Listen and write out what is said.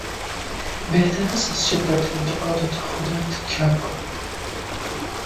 بهتر است از شدت انتقادات خودت کم کنی.